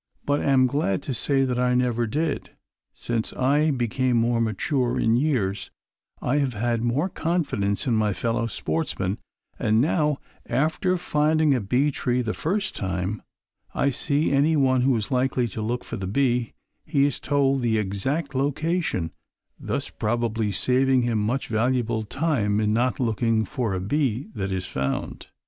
But am glad to say that I never did. Since I became more mature in years I have had more confidence in my fellow sportsmen and now after finding a bee tree the first time I see any one who is likely to look for the bee, he is told its exact location, thus probably saving him much valuable time in not looking for a bee that is found.